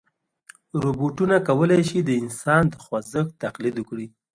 روبوټونه کولی شي د انسان د خوځښت تقلید وکړي.